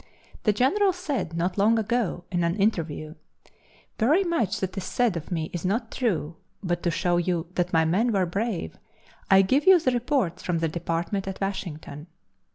The General said not long ago in an interview: "Very much that is said of me is not true, but to show you that my men were brave, I give you the reports from the department at Washington."